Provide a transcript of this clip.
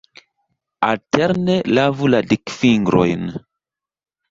Alterne lavu la dikfingrojn.